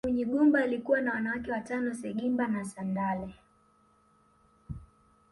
Munyigumba alikuwa na wake watano Sengimba na Sendale